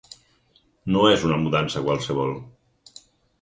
No és una mudança qualsevol.